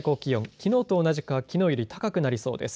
きのうと同じかきのうより高くなりそうです。